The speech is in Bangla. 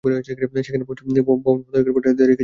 সেখানে পৌঁছে ভবনের বন্ধ ফটকের সামনে দাঁড়িয়ে কিছুক্ষণ কথা হলো।